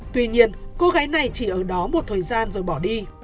tuy nhiên cô gái này chỉ ở đó một thời gian rồi bỏ đi